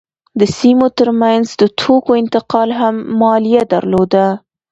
د سیمو ترمنځ د توکو انتقال هم مالیه درلوده.